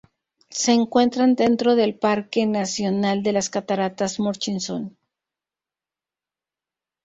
Se encuentran dentro del parque nacional de las Cataratas Murchison.